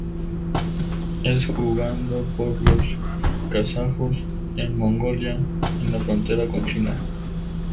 Es jugado por los kazajos en Mongolia, en la frontera con China.